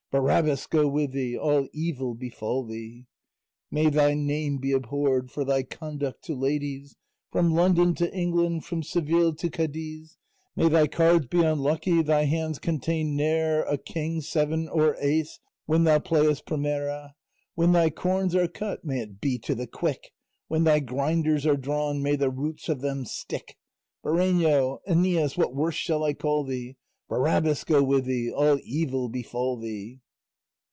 Barabbas go with thee! All evil befall thee! May thy name be abhorred For thy conduct to ladies, From London to England, From Seville to Cadiz; May thy cards be unlucky, Thy hands contain ne'er a King, seven, or ace When thou playest primera; When thy corns are cut May it be to the quick; When thy grinders are drawn May the roots of them stick. Bireno, Æneas, what worse shall I call thee? Barabbas go with thee! All evil befall thee!